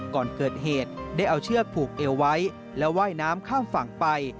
ก่อนเกิดเหตุได้เอาเชือกผูกเอวไว้แล้วว่ายน้ำข้ามฝั่งไป